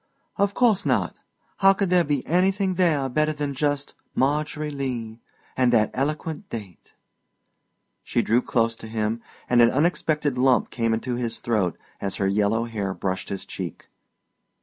"Of course not. How could there be anything there better than just 'Margery Lee,' and that eloquent date?" She drew close to him and an unexpected lump came into his throat as her yellow hair brushed his cheek.